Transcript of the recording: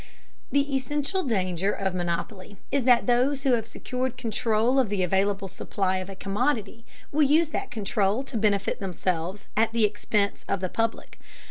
The essential danger of monopoly is that those who have secured control of the available supply of a commodity will use that control to benefit themselves at the expense of the public.